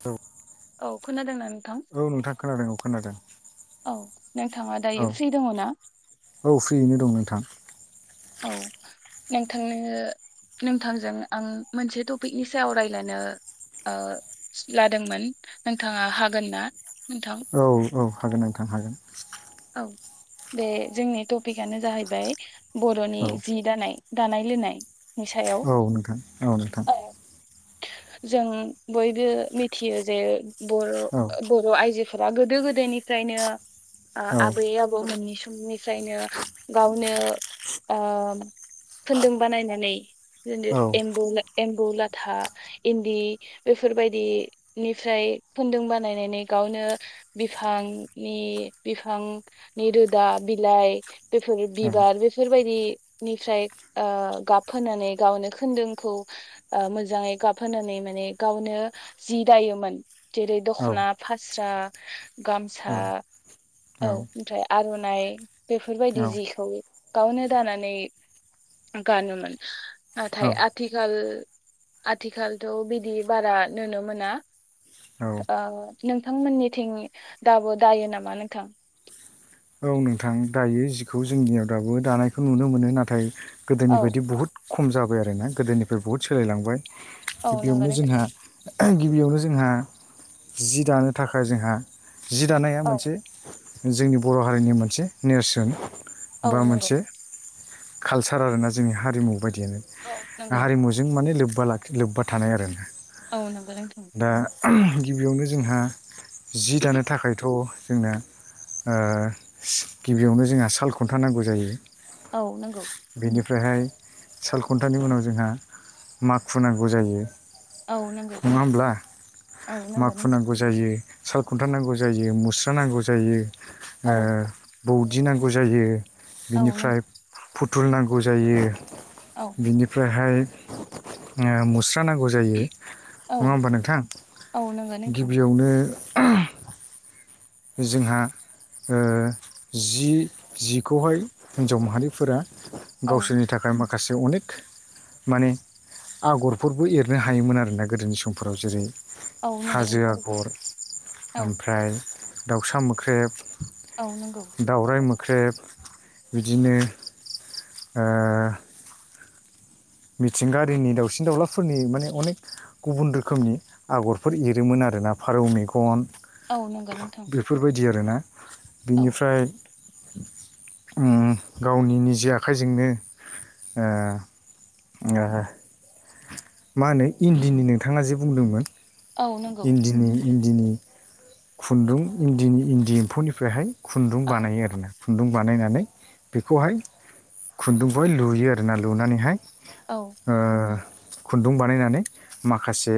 औ औ खोनादोंना नोंथां? औ नोंथां खोनादों औ खोनादों। औ नोंथाङा दायो औ फ्रि दङ ना औ फ्रियैनो दं नोंथां। औ नोंथांनो। नोंथांजों आं मोनसे टपिकनि सायाव रायज्लायनो ओ लादोंमोन नोंथाङा हागोन ना? नोंथां औ औ हागोन नोंथां हागोन। औ बे जोंनि टपिकआनो जाहैबाय बर'नि औ जि दानाय। दानाय लोनाय औ नोंथां औ नोंथां। जों बयबो मिथियो जे बर औ बर' आइजो बा गोदो गोदायनिफ्रायनो आ औ आबैै आबौ मोननि समनिफ्रायनो गावनो आ खोनदों बानायनानै होनदो औ एमबौला एमबौलाथा इन्दि बेफोर फोरबायदि निफ्राय खुन्दुं बानायनानै गावनो बिफांनि बिफांनि रोदा, बिलाइ बेफोर बिबार बेफोर बायदिनिफ्राय ओ गाबहोनानै गावनो खोन्दुंखौ ओ मोजाङै गाबहोनानै माने गावनो जि दायोमोन। जेरै दख'ना, फास्रा, गामसा। औ ओमफ्राय आर'नाइ बेफोरबायदि औ जिखौ गावनो दानानै गानोमोन नाथाय औ आथिखाल आथिखालथ' बिदि बारा नुनो मोना औ ओ नोंथांमोननिथिं दाबो दायो नामा नोंथां? औ नोंथां दायो जिखौ जोंनियाव दाबो दानायखौ नुनो मोनो नाथाय गोदोनि औ बायदि बहुद खम जाबाय आरोना गोदोनिफ्राय बहुद सोलायलांबाय औ नंगौ गिबियावनो नोंथां जोंहा गिबियावनो जोंहा जि दानो थाखाय जोंहा जि दानाया औ मोनसे जोंनि बर' हारिनि मोनसे नेरसोन औ बा नंगौ मोनसे कालचार आरोना जोंनि हारिमु बायदियानो औ नंगौ हारिमुजों माने लोब्बा लोबा लाखि लोब्बा थानाय आरो ना औ नंगौ नोंथां गिबियावनो जोंहा जि दानो थाखायथ' जोंना गिबियावनो जोंहा साल खुन्था नांगौ जायो औ नंगौ ओमफ्रायहाय सालखुन्थानि उनाव जोंहा माखु नांगौ जायो नङा औ नंगौ होमब्ला औ नंगौ माखु नोंथां नांगौ जायो साल खुन्था नांगौ जायो मुस्रा नांगौ जायो औ दौदि नांगौ जायो औ नों बिनिफ्राय फुथुल नांगौ जायो औ बिनिफ्रायहाय मु स्रा नांगौ जायो औ नङा होमबा नोंथां औ नंगौ नोंथां गिबियावनो जोंहा ओ जि जिखौहाय हिन्जाव माहारिफोरा औ गावसोरनि थाखाय माखासे अनेक माने आगरफोरबो एरनो हायोमोन आरोना गोदोनि समफोराव जेरै औ नंगौ हाजो नोंथां आगर, औ ओमफ्राय दाउसा मोख्रेब, औ नंगौ ख्रेब बिदिनो ओ मिथिंगायारिनि दाउसिन - दाउलाफोरनि माने अनेक गुबुन रोखोमनि आगरफोर एरोमोन आरो ना फारौ मेगन औ नंगौ नोंथां बेफोरबायदि आरो ना औ बिनिफ्राय गावनि निजि आखाइजोंनो ओ मा होनो इन्दिनि नोंथाङा जे बुंदोंमोन औ नंगौ इन्दिनि इन्दिनि खुन्दुं इन्दिनि इन्दि एम्फौनिफ्रायहाय खुन्दुं औ बानायो आरो ना खुन्दुं बानायनानै बेखौहाय खुन्दुंखौहाय लुयो आरो ना लुनानैहाय औ ओ खुन्दुं बानायनानै माखासे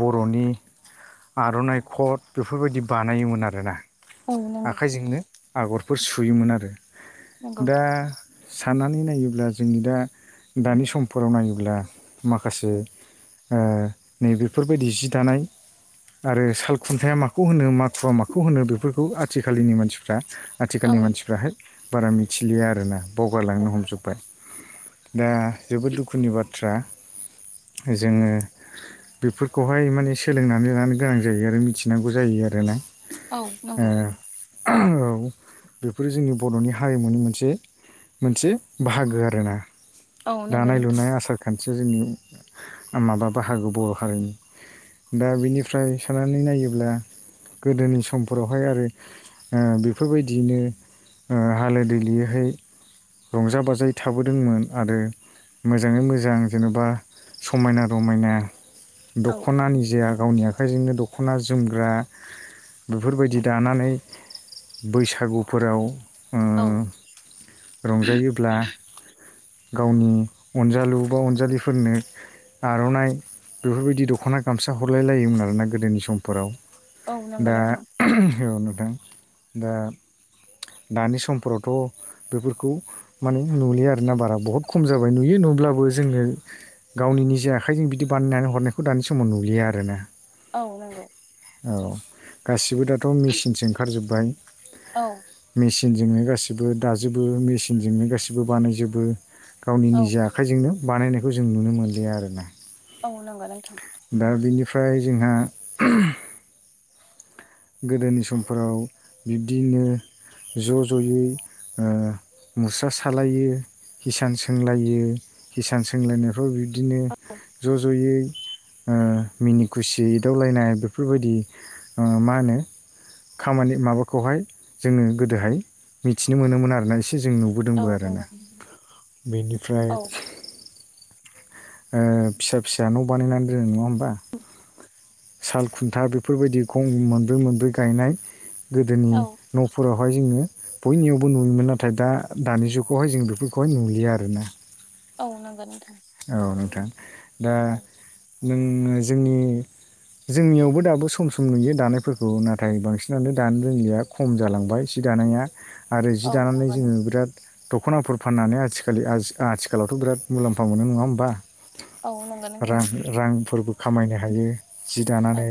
बर'नि आर'नाइ खथ बेफोरबायदि बानायोमोन आरोना औ नंगौ आखाइजोंनो आगरफोर सुयोमोन आरो नंगौ दा साननानै नायोब्ला जोंनि दा दानि समफोराव नायोब्ला माखासे ओ नैबेफोरबायदि जि दानाय आरो साल खुन्थाया माखौ होनो माथुवा माखौ होनो बेफोरखौ आथिखालनि मानसिफ्रा औ आथिखालनि मानसिफ्राहाय बारा मिथिलिया आरोना बावगारलांनो हमजोब्बाय दा जोबोद दुखुनि बाथ्रा जोङो बेफोरखौहाय माने सोलोंनानै लानो गोनां जायो आरो मिथिनांगौ जायो आरो ना औ नंगौ औ बेफोरो जोंनि बर'नि हारिमुनि मोनसे मोनसे बाहागो आरोना औ नंगौ दानाय- नोंथां लुनाय आसार - खान्थि जोंनि माबा बाहागो बर' हारिनि दा बिनिफ्राय साननानै नायोब्ला गोदोनि समफोरावहाय आरो ओ बेफोरबायदियैनो ओ हालो दैलोयैहाय रंजा बाजायै थाबोदोंमोन आरो मोजाङै मोजां जेनेबा समायना रमायना औ दख'ना निजाया गावनि आखाइजोंनो दख'ना जोमग्रा बेफोरबायदि दानानै बैसागुफोराव ओ औ रंजायोब्ला गावनि अनजालु बा अनजालिफोरनो आर'नाइ बेफोरबायदि दख'ना गामसा हरलाय लायोमोन आरोना गोदोनि समफोराव औ नंगौ दा नोंथां औ नोंथां दा दानि समफोरावथ' बेफोरखौ माने नुलियो आरोना बारा बहुद खम जाबाय नुयो नुब्लाबो जोङो गावनि निजे आखाइजों बिदि बानायनानै हरनायखौ दानि समाव नुलिया आरोना। औ नंगौ। औ गासिबो दाथ' मेचिनसो ओंखारजोबबाय। औ मेचिनजोंनो गासिबो दाजोबो मेचिनजोंनो गासिबो बानायजोबो गावनि औ निजे आखाइजोंनो बानायनायखौ जों नुनो मोनलिया आरोना। औ नंगौ नोंथां। ओम्रफ्राय जोंहा गोदोनि समफोराव बिब्दिनो ज' ज'यै ओ मुस्रा सालायो। हिसान सोंलायो किसान सोंलायनायफ्राव बिब्दिनो ज' ज'यै ओ मिनि खुसि एदावलायनाय बेफोरबायदि ओ मा होनो खामानि माबाखौहाय जोङो गोदोहाय मिथिनो मोनोमोन आरोना एसे जों औ नुबोदोंबो आरोना नंगौ बेनिफ्राय औ ओ फिसा फिसा न' बानायनानै दोनो नङा होमबा? साल खुन्था बेफोरबायदि गं मोनब्रै मोनब्रै गायनाय गोदोनि औ न'फोराव बेखौहाय जोङो बयनियावबो नुयोमोन नाथाय दा दानि जुगावहाय जों बेफोरखौहाय नुलिया आरोना। औ नंगौ नोंथां। थां दा औ नोङो जोंनि जोंनियावबो दाबो सम सम नुयो दानायफोरखौ नाथाय बांसिनानो दानो रोंलिया खम जालांबाय एसे जि दानाया आरो जि औ दानानै नंगौ जोङो नोंथां बिराद दख'नाफोर फाननानै आथिखालि आथिखालावथ' बिराद मुलाम्फा मोनो नङा होमबा? औ नांगौ। रां रांफोरबो खामायनो हायो जि औ दानानै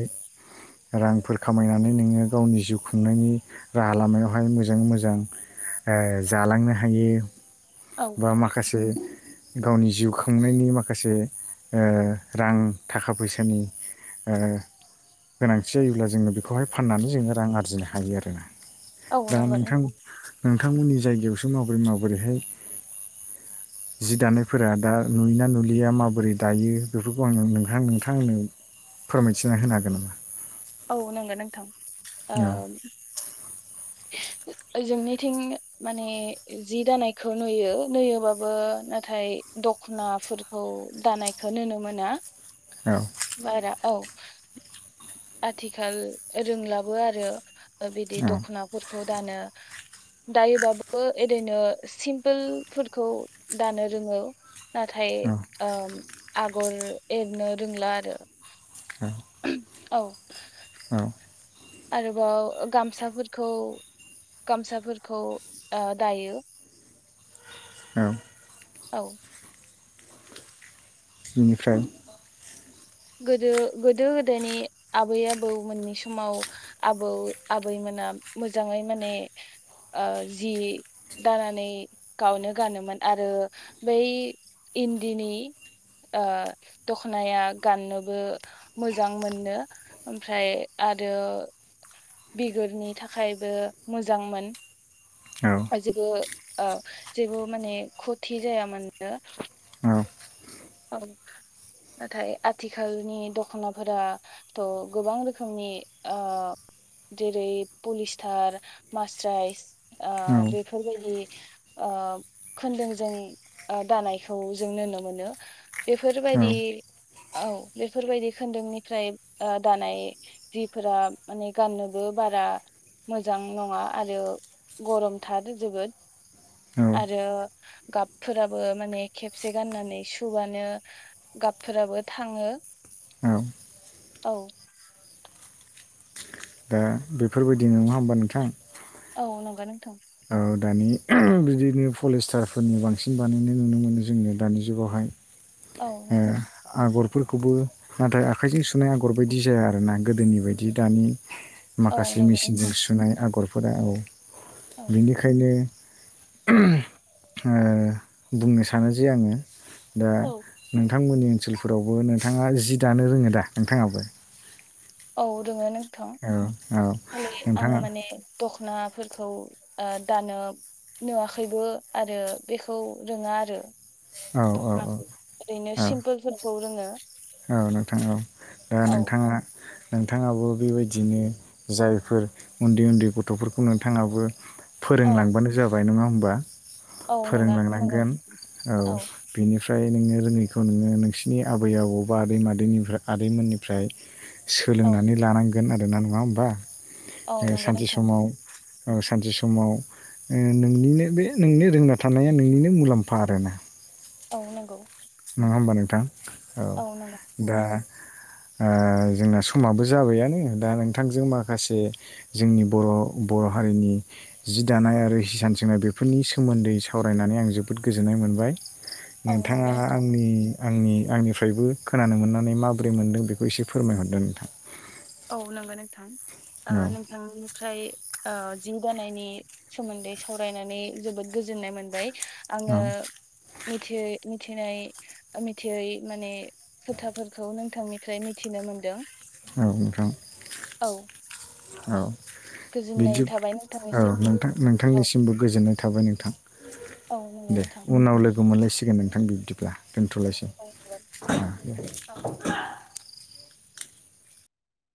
रांफोर खामायनानै नोङो गावनि जिउ खुंनायनि राहा लामायावहाय मोजाङै मोजां ओ जालांनो हायो औ बा नंगौ माखासे गावनि जिउ खांनायनि माखासे ओ रां थाखा फैसानि ओ गोनांथि जायोब्ला जोङो बेखौहाय फाननानै जोङो रां आरजिनो हायो आरोना। औ नंगौ नोंथां। नोंथांमोननि जायगायावसो माबोरै माबोरैहाय [inaudible] जि दानायफोरा दा नुयोना नुलिया माबोरै दायो बेफोरखौ आंनो नोंथां नोंथाङा आंनो फोरमायथिना होनो हागोन नामा? औ नंगो नोंथां ओ औ ओ जोंनिथिं माने जि दानायखौ नुयो नुयोबाबो नाथाय दख'नाफोरखौ दानायखौ ननो मोना औ बारा औ आथिखाल रोंलाबो आरो। ओ बिदि औ दख'नाफोरखौ दानो दायोबाबो ओरैनो सिम्पोल फुरखौ दानो रोङो। नाथाय औ ओ आगर एरनो रोंला आरो। औ। औ। आरोबाव गामसाफोरखौ गामसाफोरखौ ओ दायो। औ। औ। बिनिफ्राय [inaudible] गोदो गोदो गोदायनि आबै आबौ मोननि समाव आबौ आबै‌ मोना मोजाङै माने ओ जि दानानै गावनो गानोमोन आरो बै इन्दिनि ओ दखनाया गाननोबो मोजां मोनो ओमफ्राय आरो बिगुरनि थाखायबो मोजांमोन। औ जेबो ओ जेबो माने खथि जायामोननो। ओ औ। नाथाय आथिखालनि दख'नाफोराथ' गोबां रोखोमनि ओ जेरै पलिस्टार मास्राइस ओ औ बेफोरबायदि आ खोन्दोंजों दानायखौ आ जों नुनो मोनो। औ बेफोरबायदि औ बेफोरबायदि खोनदुंनिफ्राय ओ दानाय जिफोरा माने गाननोबो बा रा मोजां नङा आरो गरमथार जोबोद। औ आरो गाबफोराबो माने खेबसे गाननानै सु बानो गाबफोराबो थाङो। औ। औ। दा बेफोरबायदि नङा होमबा नोंथां? औ नंगौ नोंथां। औ दानि ओम बिदिनो पलिस्टारफोरनि बांसिन बानायनाय नुनो मोनो जोंनिया दानि जुगावहाय। औ ओ नंगौ आगरफोर खौबो नाथाय आखाइजों सुनाय आगर बायदि जाया आरोना गोदोनि बायदि दानि औ माखासे नंगौ मेचिनजों नोंथां सुनाय आगरफोरा औ। औ बेनिखायनो ओ बुंनो सानो जे आङो दा औ नोंथांमोननि ओनसोलफोरावबो नोंथाङा जि दानो रोङो दा नोंथाङाबो? औ रोङो नोंथां। औ औ खालि आङो नोंथाङा माने दख'ना फोरखौ ओ दानो नुवाखैबो आरो बेखौ रोङा आरो। औ औ औ दख'नाखौ ओरैनो औ सिम्पोलफोरखौ रोङो। औ नोंथां औ। दा औ नोंथाङा नोंथाङाबो बेबायदिनो जायफोर उन्दै उन्दै गथ'फोरखौ नोंथाङाबो औ फोरोंलांबानो जाबाय नङा होमबा? औ नंगौ नंगौ फोरोंलांनांगोन औ बेनि फ्राय नोङो रोङैखौ नोङो नोंसिनि आबै आबौ बा आदै मादैनिफ्राय आदैमोननिफ्राय औ सोलोंनानै लानांगोन आरोना नङा होमबा? औ नंगौ सानसे नोंथां समाव औ सानसे समाव नोंनिनो बे नोंनि रोंना थानाया नोंनिनो मुलाम्फा आरोना। औ नंगौ नङा होमबा नोंथां औ नंगौ नोंथां दा ओ जोंना समाबो जाबाययानो दा नोंथांजों माखासे जोंनि बर' बर' र' हारिनि जि दानाय आरो हिसान सोंनाय बेफोरनि सोमोन्दै सावरायनानै आं जोबोद गोजोननाय मोनबाय। औ नोंथाङा नंगौ नोंथां आंनि आंनि आंनिफ्रायबो खोनानो मोननानै माबोरै मोनदों बेखौ एसे फोरमायहरदों नोंथां। औ नंगौ नोंथां ओ औ नोंथांनिफ्राय ओ जि दानायनि सोमोन्दै सावरायनानै जोबोद गोजोननाय मोनबाय। आङो औ मिथियै मिथिनाय मिथियै माने खोथाफोरखौ नोंथांनिफ्राय मिथिनो मोनदों। औ नोंथां। औ औ गोजोननाय बिदि थाबाय औ नोंथांनिसिम नों नोंथां औ नोंथांनिसिमबो गोजोननाय थाबाय नोंथां। औ नंगौ दे नोंथां उनाव लोगो मोनलायसि‌ गोन नोंथां बिबदिब्ला दोनथ'लायसै। औ